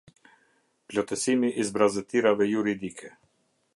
Plotësimi i zbrazëtirave juridike.